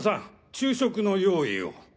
昼食の用意を。